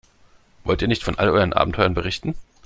Wollt ihr nicht von all euren Abenteuern berichten?